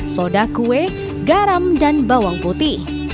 soda kue garam dan bawang putih